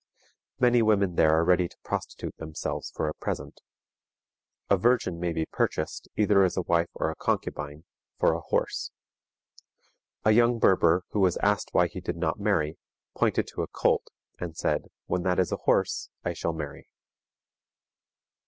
Many women there are ready to prostitute themselves for a present. A virgin may be purchased, either as a wife or a concubine, for a horse. A young Berber, who was asked why he did not marry, pointed to a colt and said, "When that is a horse I shall marry."